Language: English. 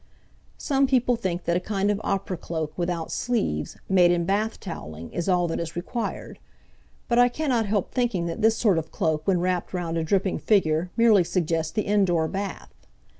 Some people think that a kind of opera cloak without sleeves, made in bath towelling, is all that is required; but I cannot help thinking that this sort of cloak when wrapped round a dripping figure merely suggests the indoor bath.